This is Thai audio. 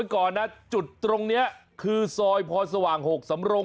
ก่อนนะจุดตรงนี้คือซอยพรสว่าง๖สำรง